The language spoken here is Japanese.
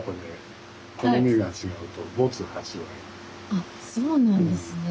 あそうなんですね。